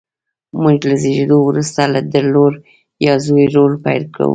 موږ له زېږېدو وروسته د لور یا زوی رول پیل کوو.